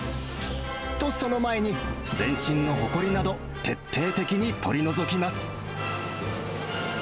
と、その前に、全身のほこりなど、徹底的に取り除きます。